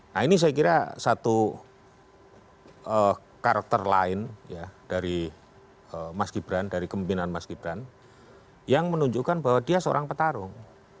nah ini saya kira satu karakter lain ya dari mas gibran dari kemimpinan mas gibran yang menunjukkan bahwa dia seorang petarung